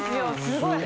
すごい。